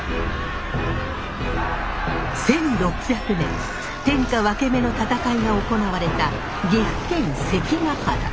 １６００年天下ワケメの戦いが行われた岐阜県関ケ原。